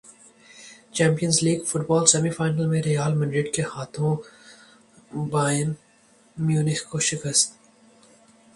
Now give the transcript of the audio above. champions league football semi final میں Real Madrid کے ہاتھوں بائرن میونخ کو شکست